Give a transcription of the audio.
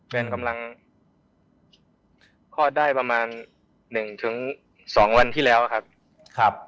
แบนกำลังข้อดายประมาณ๑๒วันที่แล้วครับ